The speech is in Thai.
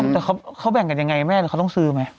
แต่เขาแบ่งกันยังไงแม่หรือเขาต้องซื้อไหม